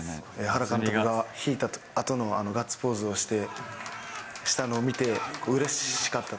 原監督が引いたあとのあのガッツポーズをしたのを見て、うれしかった。